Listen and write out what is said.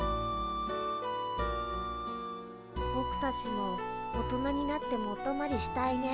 ぼくたちも大人になってもおとまりしたいね。